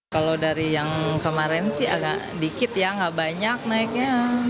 kalau dari yang kemarin sih agak dikit ya nggak banyak naiknya